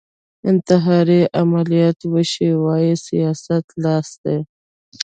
انتحاري عملیات وشي وايي سیاست لاس دی